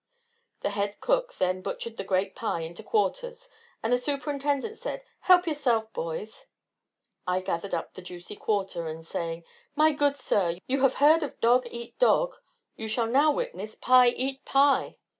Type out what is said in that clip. The head cook then butchered the great pie into quarters, and the Superintendent said, "Help yourself, boys." I gathered up the juicy quarter, and saying, "My good sir, you have heard of dog eat dog, you shall now witness Pye eat pie."